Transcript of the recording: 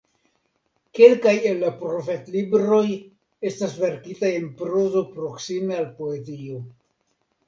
Kelkaj el la profetlibroj estas verkitaj en prozo proksime al poezio.